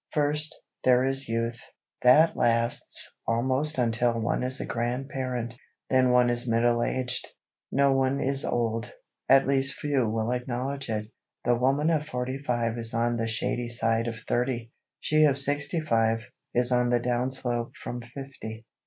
First, there is youth. That lasts almost until one is a grandparent; then one is middle aged. No one is old,—at least few will acknowledge it. The woman of forty five is on "the shady side of thirty," she of sixty five, is "on the down slope from fifty."